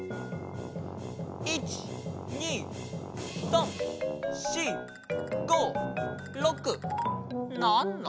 １２３４５６７？